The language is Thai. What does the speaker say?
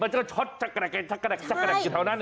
มันจะช็อตชะกระดักชะกระดักเหลือเท่านั้น